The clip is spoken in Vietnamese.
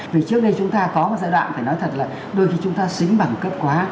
vì trước đây chúng ta có một giai đoạn phải nói thật là đôi khi chúng ta xính bằng cấp quá